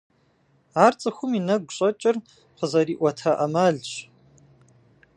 Ар цӀыхум и нэгу щӀэкӀыр къызэриӀуэта Ӏэмалщ.